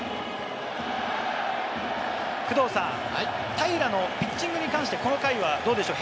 平良のピッチングに関して、この回はどうでしょう？